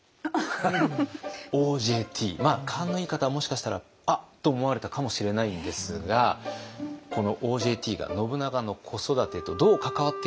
勘のいい方はもしかしたら「あっ！」と思われたかもしれないんですがこの「ＯＪＴ」が信長の子育てとどう関わってくるのか。